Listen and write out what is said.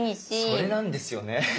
それなんですよね。